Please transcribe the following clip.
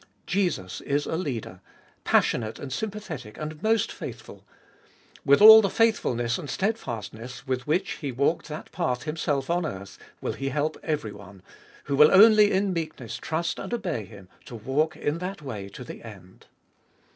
Jesus is a Leader, com Ebe ibolfest of 2W passionate and sympathetic, and most faithful : with all the faith fulness and steadfastness with which He walked that path Himself on earth, will He help everyone, who will only in meekness trust and obey Him, to walk in that way to the end.